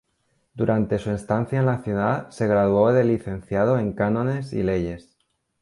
Durante su estancia en la ciudad se graduó de licenciado en cánones y leyes.